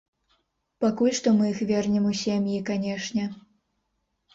Пакуль што мы іх вернем у сем'і, канешне.